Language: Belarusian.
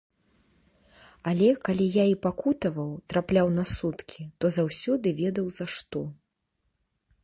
Але калі я і пакутаваў, трапляў на суткі, то заўсёды ведаў за што.